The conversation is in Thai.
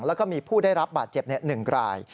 แล้วก็มีผู้ได้รับบาดเจ็บเน็ตหนึ่งราย